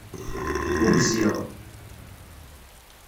Ugziɣ